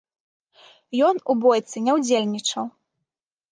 Ён у бойцы не удзельнічаў.